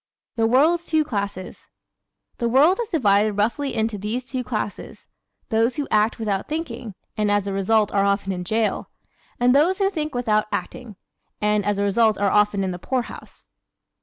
The World's Two Classes ¶ The world is divided roughly into these two classes: those who act without thinking (and as a result are often in jail); and those who think without acting (and as a result are often in the poorhouse).